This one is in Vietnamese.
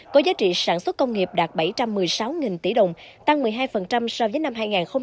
có giá trị sản xuất công nghiệp đạt bảy trăm một mươi sáu tỷ đồng tăng một mươi hai so với năm hai nghìn một mươi bảy